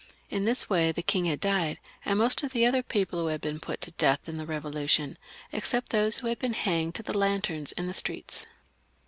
In this way thfi king had died, and most of the other people who had been put to death in the Eevolution, except those who had been hanged to the lanterns in the streets.